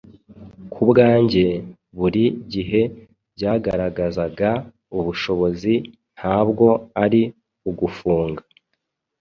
kubwanjye buri gihe byagaragazaga ubushobozi ntabwo ari ugufunga.